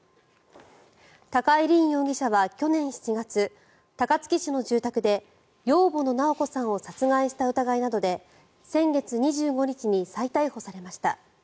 高井凜容疑者は去年７月高槻市の住宅で養母の直子さんを殺害した疑いなどで先月２５日に再逮捕されました。